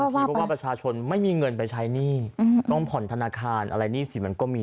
เพราะว่าประชาชนไม่มีเงินไปใช้หนี้ต้องผ่อนธนาคารอะไรหนี้สิมันก็มี